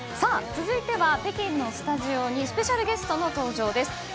続いては北京のスタジオにスペシャルゲストの登場です。